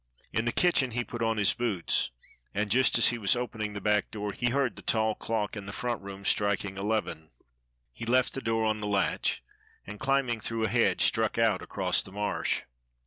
In the kitchen he put on his boots, and just as he was opening the back door he heard the tall clock in the front room striking eleven. He left the door on the latch and, climbing through a hedge, struck out across the Marsh.